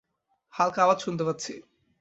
হালকা আওয়াজ শুনতে পাচ্ছি।